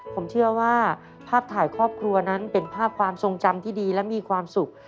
ผมเชื่อว่าภาพถ่ายครอบครัวนั้นเป็นภาพความทรงจำที่ดีและมีความสุข